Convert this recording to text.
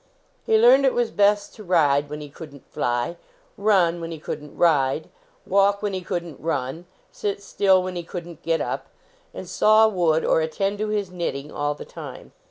He learned it was best to ride when he couldn t fly, run when he couldn t ride, walk when he couldn t run, sit still when he couldn t get up, and saw wood or attend to his knitting all the time.